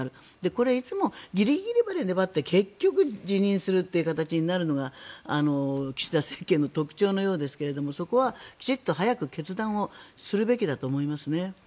これいつもギリギリまで粘って結局、辞任するという形になるのが岸田政権の特徴のようですがそこはきちんと早く決断をするべきだと思いますね。